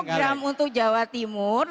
melakukan satu program untuk jawa timur